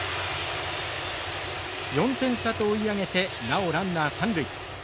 ４点差と追い上げてなおランナー三塁。